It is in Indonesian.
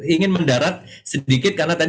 ingin mendarat sedikit karena tadi